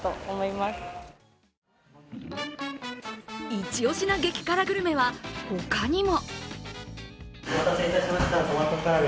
イチオシな激辛グルメは他にも。